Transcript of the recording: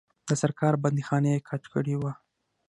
د سرکار بندیخانې یې کاټ کړي وه.